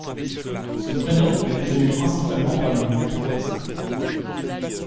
Ce prénom a été donné principalement dans les milieux protestants.